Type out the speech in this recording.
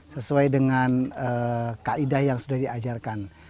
sesuai dengan kaidah yang sudah diajarkan